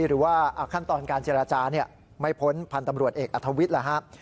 หรือว่าขั้นตอนการเจรจาไม่พ้นพันธ์ตำรวจเอกอัธวิทย์แหละฮะ